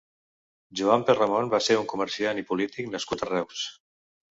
Joan Perramon va ser un comerciant i polític nascut a Reus.